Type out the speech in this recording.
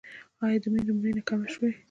آیا د میندو مړینه کمه شوې؟